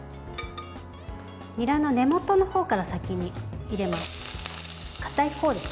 にらの根元の方から先に入れます。